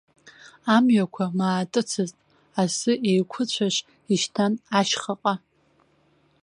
Амҩақәа маатыцызт, асы еиқәыцәашь ишьҭан ашьхаҟа.